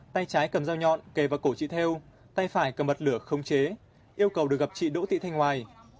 tay trái cầm dao nhọn kề vào cổ chị theo tay phải cầm bật lửa không chế yêu cầu được gặp chị đỗ thị thanh hoài